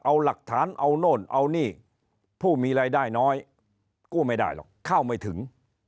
เอาหลักฐานเอาโน่นเอานี่ผู้มีรายได้น้อยกู้ไม่ได้หรอกเข้าไม่ถึง